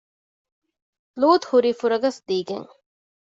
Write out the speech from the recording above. ލޫޠު ހުރީ ފުރަގަސްދީގެން